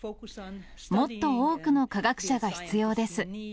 もっと多くの科学者が必要です。